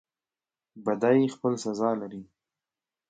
بدی خپل سزا لري